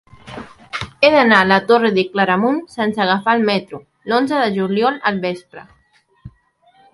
He d'anar a la Torre de Claramunt sense agafar el metro l'onze de juliol al vespre.